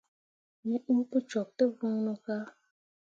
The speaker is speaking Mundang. We uu pǝ cok tǝ voŋno ka.